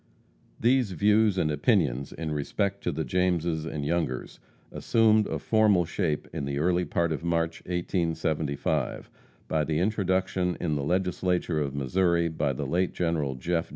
These views and opinions in respect to the Jameses and Youngers assumed a formal shape in the early part of March, 1875, by the introduction in the Legislature of Missouri by the late General Jeff.